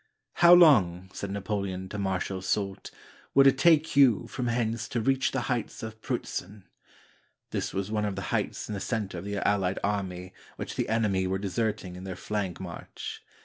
"How long," said Napoleon to Marshal Soult, "would it take you, from hence, to reach the heights of Prutzen?" This was one of the heights in the center of the allied army which the enemy were deserting in their flank march.